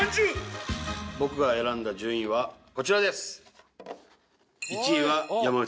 僕が選んだ順位はこちらです。